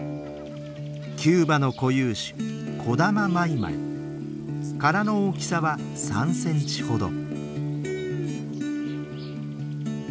キューバの固有種殻の大きさは３センチほど。